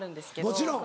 もちろん。